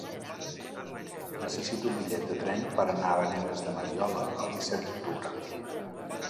Necessito un bitllet de tren per anar a Banyeres de Mariola el disset d'octubre.